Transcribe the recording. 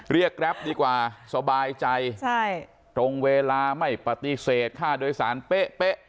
แกรปดีกว่าสบายใจตรงเวลาไม่ปฏิเสธค่าโดยสารเป๊ะ